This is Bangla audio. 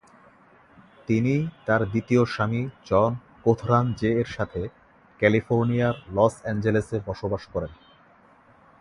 তিনি তার দ্বিতীয় স্বামী জন কোথরান জে এর সাথে ক্যালিফোর্নিয়ার লস অ্যাঞ্জেলেসে বসবাস করেন।